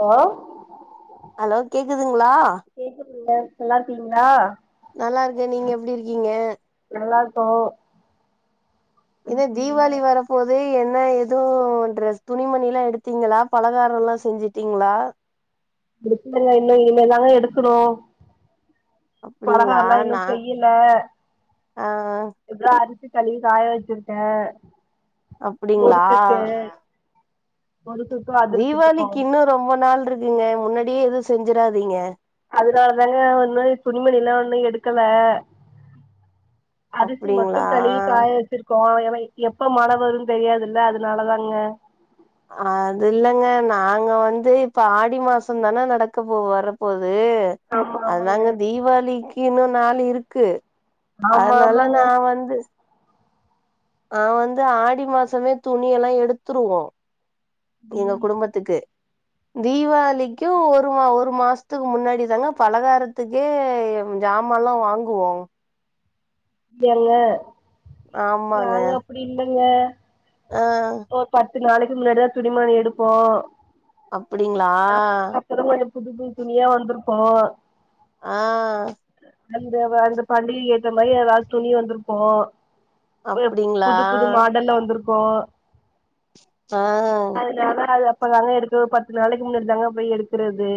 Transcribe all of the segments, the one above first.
Hello hello கேக்குதுங்களா கேக்குதுங்க நல்லா இருக்கீங்களா நல்லா இருக்கேன் நீங்க எப்படி இருக்கீங்க நல்லா இருப்போம் இனி தீவாளி வரப் இப்போதே என்ன ஏதவு ட்ரெஸ் துணிமணி எல்லா எடுத்தீங்களா பலகாரோல்லா செஞ்சுட்டீங்களா விடிச்சங்க இன்னு இனிமேதாங்க எடுக்கணு அப்டிங்களா பலகாரல்லா இன்னு நா செய்யல ஆ இப்பதா அரிசி களுவி காய வச்சிருக்கே அப்டிங்களா முருகுக்க முருகுக்கு அதி தீபாவளிக்கு இன்னு ரொம்ப நாள் இருக்குங்க முன்னாடியே எது செஞ்சிராதீங்க அதுனாலதாங்க ஒன்னு துணிமணி எல்லா ஒன்னு எடுக்கல அரிசி மட்டு அப்டிங்களா கழுவி காய வச்சிருக்கோ ஏன்னா எப்ப மழை வரு தெரியாதுல்ல அதுனால தாங்க அது இல்லங்க நாங்க வந்து இப்ப ஆடி மாசோ தான நடக்க போ வரப்போது ஆமா ஆமாங்க அதாங்கங்க தீபாளிக்கு இன்னு நாள் இருக்கு ஆமா அதுனால ஆமாங்க நா வந்து நா வந்து ஆடி மாசமே துணி எல்லா எடுத்துருவோ டி எங்க குடும்பத்துக்கு [inaudible] தீபாவளிக்கு ஒரு ஒரு மாசத்துக்கு முன்னாடி தாங்க பலகாரத்துக்கே ஜாமான்லா வாங்குவோ எல்ல ஆமாங்க நாங்க அப்டி இல்லங்க ஆ ஒரு பத்து நாளைக்கு முன்னாடிதா துணிமணி எடுப்போ அப்டிங்களா அப்பதா கொஞ்சோ புது புது துணியா வந்திருக்கு ஆ அந்த அந்த பண்டிகை ஏத்த மாதிரி எதாவது துணி வந்திருக்கு அப்டிங்களா புது புது மாடல்ல வந்துருக்கு ஆ இப்போ அதுனால இப்பதாங்க எடுக்க பத்து நாளைக்கு முன்னேடி தாங்க போய் எடுக்கிறது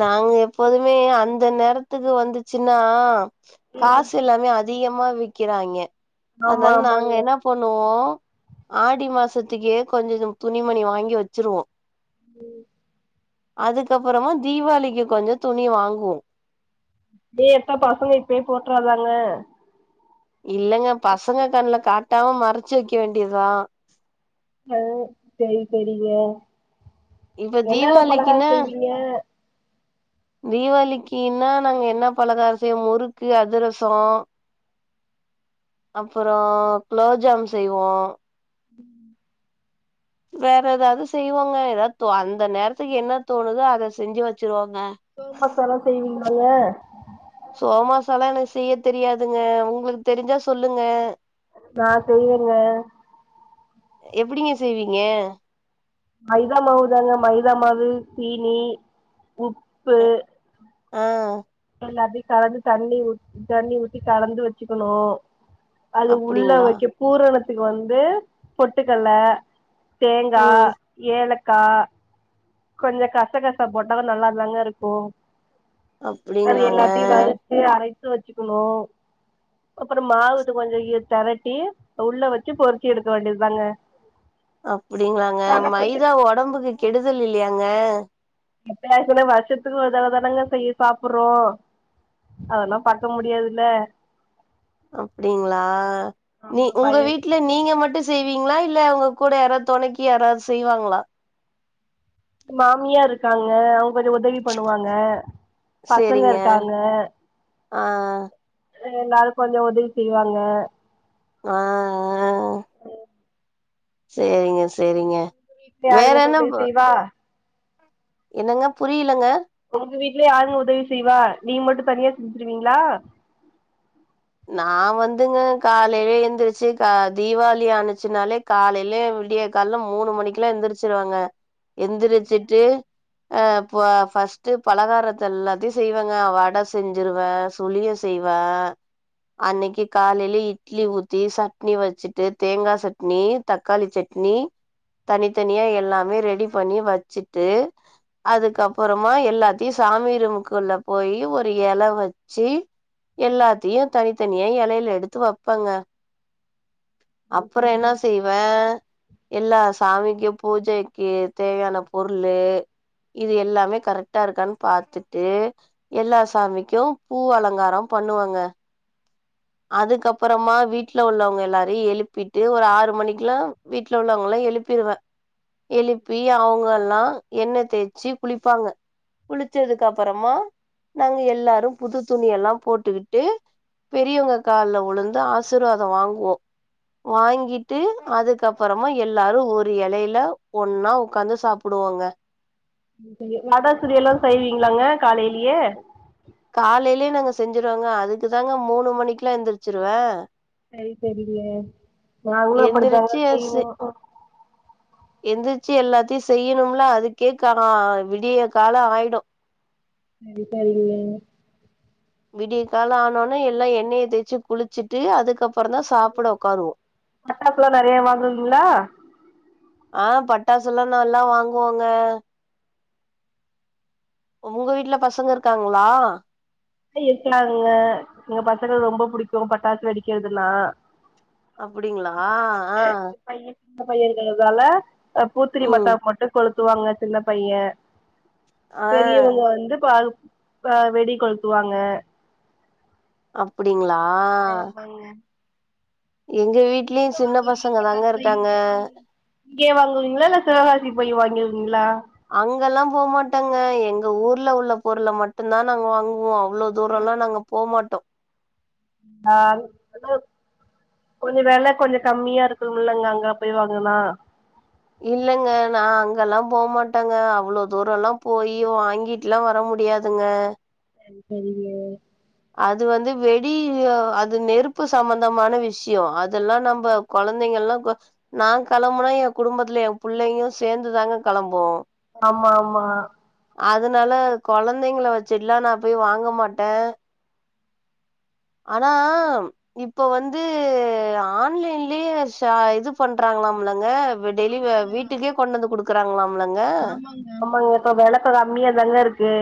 நாங்க எப்போதுமே அந்த நேரத்துக்கு வந்துச்சின்னா ம் காசு எல்லாமே அதிகமா விக்கிறாங்கே ஆமா அதுனால நாங்க ஆமாங்க என்ன பொண்ணுவோ ஆடி மாசத்துக்கே கொஞ்சோ துணிமணி வாங்கி வச்சிருவோ உ அதுக்கு அப்றோமா தீபாவளிக் கொஞ்சோ துணி வாங்குவோ ஏ எப்ப பசங்க இப்பயே போட்றாதாங்க இல்லங்க பசங்க கண்ணுல காட்டாம மறச்சு வக்க வேண்டியதுதா அ சேரி சேரிங்க இப்ப என்னன்ன பலகார தீபாவளிக்குன்னா செய்வீங்க தீபாளிக்குன்னா நாங்க என்ன பலகாரோ செய்வோ முறுக்கு அதிரசோ அப்புறோ குளோஜாமு செய்வோ உ வேற ஏதாவது செய்வோங்க ஏதாவது அந்த நேரத்துக்கு என்ன தோணுதோ அத செஞ்சு வச்சிருவோங்க சோமஸ்லா செய்வீங்களாங்க சோமஸ் எல்லா எனக்கு செய்ய தெரியாதுங்க உங்களுக்கு தெரிஞ்சா சொல்லுங்க நா செய்வங்க எப்டிங்க செய்வீங்க மைதா மாவு தாங்க மைதா மாவு ஜினி உப்பு அ ஆ எல்லாத்தையு கலந்து தண்ணி தண்ணி ஊத்தி கலந்து வச்சுக்கணு அது உள்ள அப்டிங்களா வைக்க பூரணத்துக்கு வந்து பொட்டுக்கல்ல தேங்கா ம் ஏலக்கா கொஞ்ச கசகசா போட்ட நல்லாதாங்க இருக்கு அது அப்டிங்களாங்க எல்லாத்தையு வறுச்சு அரைச்சு வச்சுக்கணு அப்பற மாவுட்டு கொஞ்ச திரட்டி உள்ள வச்சி பொறிச்சி எடுக்க வேண்டியதுதாங்க அப்டிங்களாங்க ஆனா கொஞ்சோ மைதா ஒடம்புக்கு கெடுதல் இல்லையாங்க எப்பயாச்சுன வருஷத்துக்கு ஒரு தடவ தானங்க செய்ய சாப்புட்றோ அதல்லா பக்க முடியாதுல்ல அப்டிங்ளா நீ ஆமா உங்க பைய வீட்ல வீட்ல நீங்க மட்டு செய்வீங்ளா இல்ல உங்க கூட யாராவது தொணக்கி யாராவது செய்வாங்ளா மாமியார் இருக்காங்க அவுங்க கொஞ்ச உதவி பண்ணுவாங்க பசங்க சேரிங்க இருக்காங்க ஆ எல்லாரு கொஞ்ச உதவி செய்வாங்க ஆ ஆ சேரிங்க சேரிங்க விட்ல வேற யாருங்க இந்த என்ன உதவி ப செய்வா என்னங்க புரிலங்க உங்க வீட்ல யாருங்க உதவி செய்வா நீங்க மட்டு தனியா செஞ்சுருவீங்ளா நா வந்துங்க காலையில எந்துறிச்சி கா தீபாவளி ஆனுச்சினாலே காலைல விடிய கால்ல மூணு மணிக்கு எல்லா எந்திரிச்சிருவங்க எந்திரிச்சிட்டு ஆ ஃபர்ஸ்ட்டு பலகாரத்த எல்லாத்தையு செய்வங்க வட செஞ்சிருவ துளிய செய்வா அன்னைக்கு காலைல இட்லி ஊத்தி சட்னி வச்சுட்டு தேங்கா சட்னி தக்காளி சட்னி தனித்தனியா எல்லாமே ரெடி பண்ணி வச்சுட்டு அதுக்கப்பறமா எல்லாத்தையு சாமி ரூமுக்குள்ள போயி ஒரு இல வச்சு எல்லாத்தையு தனித்தனியா இலைல எடுத்து வப்பங்க அப்புற என்ன செய் வ எல்லா சாமிக்கு பூஜைக்கு தேவயான பொருளு இது எல்லாமே கரெக்டா இருக்கான்னு பாத்துட்டு எல்லா சாமிக்கு பூ அலங்காரம் பண்ணுவங்க அதுக்கப்பறமா வீட்ல உள்ளவங்க எல்லாரையு எழுப்பிட்டு ஒரு ஆறு மணிக்குலா வீட்ல உள்ளவங்கல்லா எழுப்பிருவ எழுப்பி அவங்கெல்லா எண்ணெ தேச்சு குளிப்பாங்க குளிச்சதுக்கு அப்பறமா நாங்க எல்லாரு புது துணி எல்லா போட்டுக்கிட்டு பெரியவுங்க கால்ல விழுந்து ஆசிர்வாதம் வாங்குவோ வாங்கிட்டு அதுக்கப்பறமா எல்லாரு ஒரு இலைல ஒன்னா உக்காந்து சாப்புடுவோங்க வட சுழிய எல்லா செய்வீங்களாங்க காலையிலையே காலைலே நாங்க செஞ்சருவோங்க அதுக்கு தாங்க மூணு மணிக்குலா எந்திரிச்சிருவ செரி தெரிலே நாங்களு அப்டித்தாங்க எந்திரிச்சு செய்வோ [inaudible] எந்திரிச்சி எல்லாத்தையு செய்யணும்ல அதுக்கே கா விடிய காலம் ஆயிடு அலிப்பா இல்லையே விடிய கால ஆனோவுன்னே எல்லா எண்ணெயை தேய்ச்சி குளிச்சிட்டு அதுக்கப் அப்பறந்தா சாப்புட உக்காருவோ பட்டாசுலா நெறைய வாங்குவீங்களா ஆ பட்டாசுலா நல்லா வாங்குவோங்க உங்க வீட்ல பசங்க இருக்காங்ளா எ இருக்குனாங்க எங்க பசங்களு ரொம்ப புடிக்கு பட்டாசு வெடிக்கிறதுனா அப்டிங்ளா ஆ பைய சின்ன பையங்கரதால அ பூத்திரி ம் மத்தாப்பு மட்டு கொளுத்துவாங்க சின்ன பைய ஆ பெரியவுங்க வந்து பால் அ வெடி கொளுத்துவாங்க அப்டிங்ளா ஆமாங்க எங்க எங்க வீட்லயு சின்ன வாங்குவீங்க பசங்க தாங்க இருக்காங்க இங்கே வாங்குவீங்களா இல்ல சிவகாசி போய் வாங்குவீங்களா அங்கலா போமாட்டங்க எங்க ஊர்ல உள்ள பொருள மட்டுந்தா நாங்க வாங்குவோ அவ்ளோ தூரலா நாங்க போமாட்டோ ஆன் அ கொஞ்ச வெல கொஞ்ச கம்மியா இருக்குமுலங்க அங்க போய் வாங்குனா இல்லங்க நா அங்கலா போமாட்டேங்க அவ்ளோ தூரலா போயி வாங்கி ட்டுலா வர முடியாதுங்க தெரி தெரியு அது வந்து வெடி அது நெருப்பு சம்மந்தமான விஷ்யோ அதெல்லா நம்ப கொழந்தைங்கள்லா இப்ப நா கெளம்புனா எ குடும்பத்துல எ புள்ளையு சேந்துதாங்க கெளம்பு ஆமா ஆமா அதுனால கொழந்தைங்கள வச்சிட்லா நா போய் வாங்க மாட்டே ஆனா இப்ப வந்து ஆன்லைன்லே ஷா இது பண்றாங்ளாம்லங்க இப்ப டெய்லி வ ஆமாங்க வீட்டுக்கே கொண்டு வந்து குடுக்குறாங்களாம்லங்க ஆமாங்க இப்ப வெளக்க கம்மியா தாங்க இருக்கு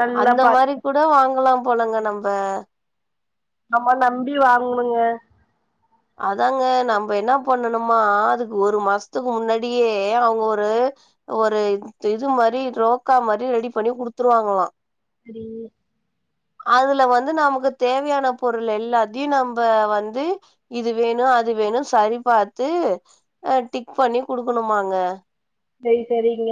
நல்லா அந்த பாத் மாரி கூட வாங்கலா போலங்க நம்ப ஆமா நம்பி வாங்கணுங்க அதாங்க நம்ப என்ன பண்ணணுமா அதுக்கு ஒரு மாசத்துக்கு முன்னாடியே அவங்க ஒரு ஒரு இது மாரி ரோக்கா மாரி ரெடி பண்ணி குடுத்துருவாங்களா சரி அதுல வந்து நமக்கு தேவையான பொருள் எல்லாத்தையு நம்ப வந்து இது வேணு அது வேணு சரி பாத்து அ டிக் பண்ணி குடுக்கணுமாங்க செரி செரிங்க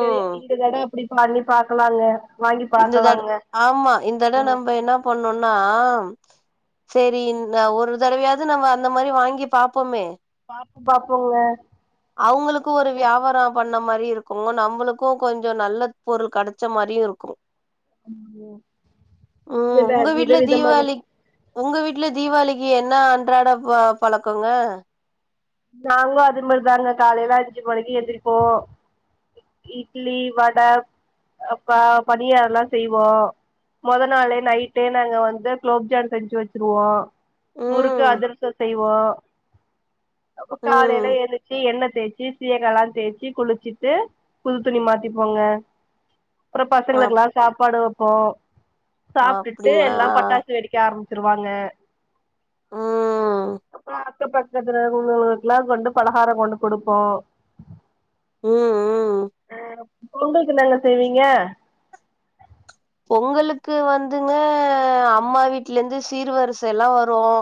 செரி இந்த தடவ அப்டி பாண்ணி பாக்கலாங்க வாங்கி இந்த தட பாக்கலாங்க ஆமா இந்த தடவ ம் நம்ப என்ன பண்ணுன்னா சேரி இந்த ஒரு தடவையாது நம்ம அந்த மாரி வாங்கி பாப்போமே பாப்போ பாப்போங்க அவ்ங்களுக்கு ஒரு வியாபார பண்ண மாரி இருக்குங்க நம்மளுக்கு கொஞ்ச நல்லத் பொருள் கெடச்ச மாரியு இருக்கு ம் வித உங்க வித வீட்ல விதமாக தீபாவளி உங்க வீட்ல தீவாளிக்கு என்ன அன்றாட ப பழக்கங்க நாங்களு அதே மாரிதாங்க காலைல அஞ்சு மணிக்கு எந்திரிப்போ இட்டிலி வட அ ப பனியாரலா செய்வோ மொத நாளே நைட்டே நாங்க வந்து குளோப்ஜான் செஞ்சு வெச்சிருவோ முறுக்கு ம் அதிரச செய்வோ அப்ப காலைல ம் ஏன்ச்சு எண்ண தேச்சு சீயகலாம் தேய்ச்சு குளிச்சிட்டு புது துணி மாத்திப்போங்க அப்பறம் அப் பசங்களுக்குலாம் சாப்பாடு வைப்போம் சாப்ட்டுட்டு அப்டிங்களா எல்லா பட்டாசு வெடிக்க ஆரம் ச்சிருவாங்க ம் அப்றோ அக்கம் பக்கத்துல உள்ளவ்களுக்கெல்லா கொண்டு பலகாரம் கொண்டு குடுப்போ ம் ம் ஆ பொங்கள்க்கு என்னங்க செய்வீங்க பொங்கலுக்கு வந்துங்க அம்மா வீட்ல இருந்து சீர்வரிசை எல்லாம் வரும்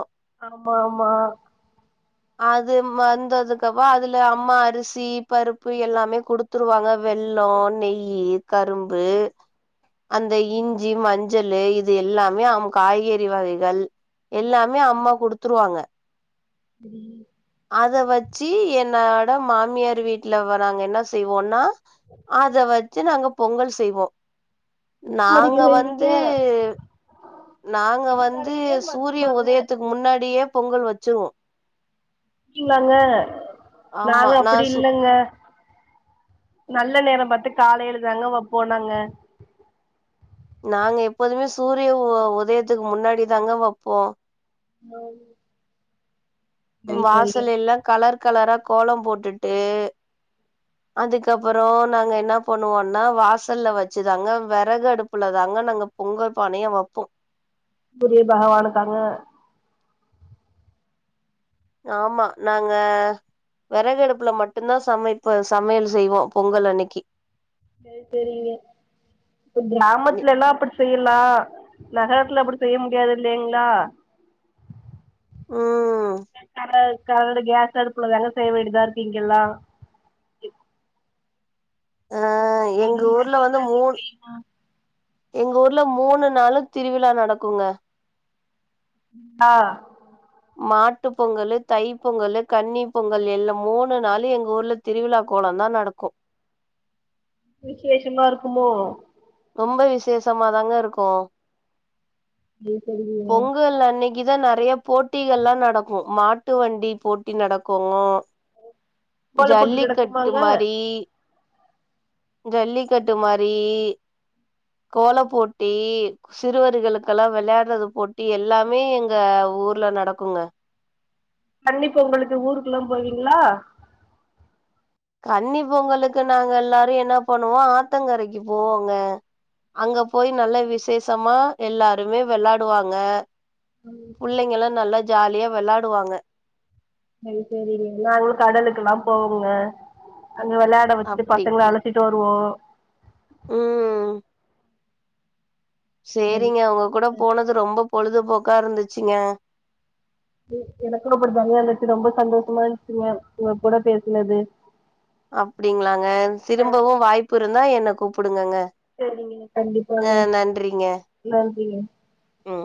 ஆமா ஆமா அது வந்ததுக்கப்ப அதுல அம்மா அரிசி பருப்பு எல்லாமே குடுத் த்துருவாங்க வெள்ளம் நெய் கரும்பு அந்த இஞ்சி மஞ்சள் இது எல்லாமே அ காய்கறி வகைகள் எல்லாமே அம்மா குடுத்துருவாங்க புரில அத வச்சு என்னோட மாமியார் வீட்ல வராங்க என்ன செய்வோம்ன்னா அத வச்சு நாங்க பொங்கல் செய்வோம் நாங்க மடிக்கு செய்வீங்க வந்து நாங்க விடிய வந்து காலையிலயா சூரிய மதியமாங்க உதயத்துக்கு முன்னாடியே பொங்கல் வச்சிருவோம் அப்டிங்களாங்க ஆமா நாங்க நா அப்டி சு இல்லங்க நல்ல நேரம் பாத்து காலைல தாங்க வைப்போம் நாங்க நாங்க எப்போதுமே சூரிய உதயத்துக்கு முன்னாடி தாங்க வப்போம் மய் வாசல் எல்லாம் கலர் கலரா கோலம் போட்டுட்டு அதுக்கப்புறம் நாங்க என்ன பண்ணுவோன்னா வாசல்ல வச்சுதாங்க வெறகு அடுப்புல தாங்க நாங்க பொங்க பானையே வப்போம் சூரிய பகவானுக்காக ஆமா நாங்க விறகடுப்புல மட்டும்தான் சமைப்ப சமையல் செய்வோம் பொங்கல் அன்னிக்கு சரி சரிங்க இப் நி கிராமத்லல்லாம் அப்டி செய்யலாம் நகரத்துல அப்டி செய்ய முடியாது இல்லைங்களா ம் அ கரண்ட் கேஸ் அடுப்பு தாங்க செய்ய வேண்டியதா இருக்கு இங்கல்லாம் ஆ அது மாட்டி தாங்க செய்வோம் எங்க ஊர்ல மூணு நாளும் திருவிழா நடக்குங்க ஆ மாட்டு பொங்கலு தை பொங்கலு கன்னி பொங்கல் எல்லாம் மூணு நாளு எங்க ஊர்ல திருவிழா கோலம் தான் நடக்கும் விசேஷமா இருக்குமோ ரொம்ப விசேஷமாதாங்க இருக்கும் சரி சரிங்க பொங்கல் அன்னிக் கிதா நறைய போட்டிகள்லாம் நடக்கும் மாட்டு வண்டி போட்டி நடக்கும் கோல போட்டி ஜல்லிக்கட்டு நடக்குமாங்க மாரி ஜல்லிக்கட்டு மாரி கோலப் போட்டி சிறுவர்களுக்கெல்லாம் விளையாடுறது போட்டி எல்லாமே எங்க ஊர்ல நடக்குங்க கன்னிப் பொங்களுக்கு ஊருக்கு எல்லா போவீங்ளா கன்னி பொங்கலுக்கு நாங்க எல்லாரு என்ன பண்ணுவோ ஆத்தங்கரைக்கு போவோங்க அங்க போய் நல்லா விசேஷமா எல்லாருமே வெளாடுவாங்க புள்ளைங்க எல்லா நல்லா ஜாலியா வெளாடுவாங்க சேரி சேரி நாங்களு கடலுக்குல்லா போவோங்க அங்க வெளையாட வெச்சுட்டு அப்டி பசங்க அல சுத்திட்டு வருவோ ம் சரி சேரிங்க சரிங்க. உங்க கூட போனது ரொம்ப பொழுதுபோக்கா இருந்துச்சுங்க எனக்கு அப்டிதாங்க இருந்துச்சு ரொம்ப சந்தோஷமா இருந்துச்சுங்க உங்க கூட பேசுனது அப்படிங்களாங்க திரும்பவும் வாய்ப்பு இருந்தா என்ன கூப்புடுங்கங்க சேரிங்க கண்டிப்பா அ நன்றிங்க நன்றிங்க ம்